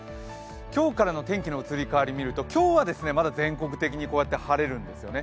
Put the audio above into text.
今日からの天気の移り変わり見ると今日はまだ全国的にこうやって晴れるんですよね、